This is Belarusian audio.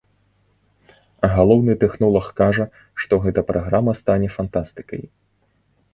Галоўны тэхнолаг кажа, што гэта праграма стане фантастыкай.